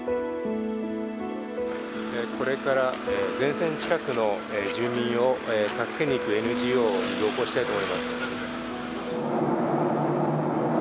これから前線近くの住民を助けにいくＮＧＯに同行したいと思います。